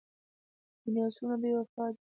دنيا څومره بې وفا ده.